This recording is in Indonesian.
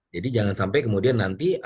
jadi jangan sampai kemudian nanti ada